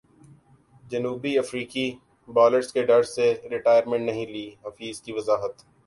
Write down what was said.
جنوبی افریقی بالرز کے ڈر سے ریٹائرمنٹ نہیں لی حفیظ کی وضاحت